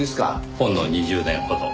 ほんの２０年ほど。